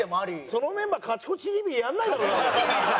そのメンバー『カチコチＴＶ』やらないだろうな？